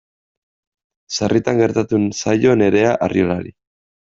Sarritan gertatu zaio Nerea Arriolari.